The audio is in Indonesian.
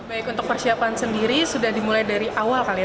baik untuk persiapan sendiri sudah dimulai dari awal kali ya